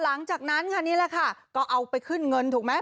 หลังจากนั้นค่ะนี่แหละค่ะก็เอาไปขึ้นเงินถูกไหม